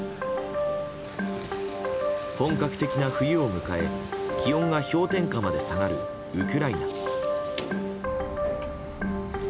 本格的な冬を迎え、気温が氷点下まで下がるウクライナ。